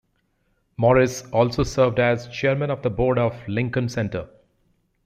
Morris also served as chairman of the board of Lincoln Center.